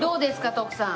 徳さん。